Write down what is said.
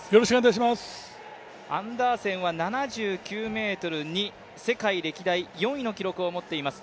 アンダーセンは７９ｍ２、世界歴代４位の記録を持っています